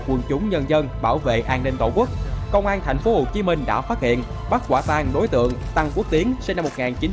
quân chủng nhân dân bảo vệ an ninh tổ quốc công an tp hcm đã phát hiện bắt quả tàn đối tượng tăng quốc tiến sinh năm một nghìn chín trăm bảy mươi tám